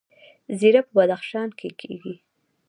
زیره په بدخشان کې کیږي